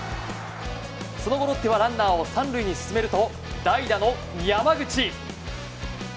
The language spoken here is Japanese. その後、ロッテはランナーを３塁に進めると代打の山口。